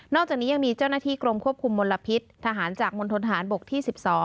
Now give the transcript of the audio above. อกจากนี้ยังมีเจ้าหน้าที่กรมควบคุมมลพิษทหารจากมณฑนฐานบกที่๑๒